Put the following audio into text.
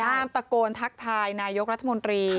ตะโกนทักทายนายกรัฐมนตรี